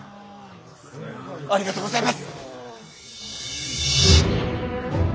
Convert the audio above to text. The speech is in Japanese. ありがとうございます！